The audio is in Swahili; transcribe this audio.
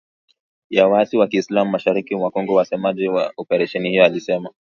Ya waasi wa kiislam mashariki mwa Kongo msemaji wa operesheni hiyo alisema.